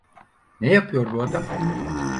Ne yapıyor bu adam?